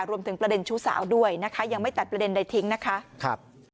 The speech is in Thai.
รวมถึงประเด็นชู้สาวด้วยนะคะยังไม่ตัดประเด็นใดทิ้งนะคะ